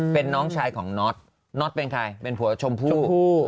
เป็นน้องชายของน็อตน็อตเป็นใครเป็นผัวชมพู่